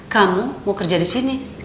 kamu mau kerja disini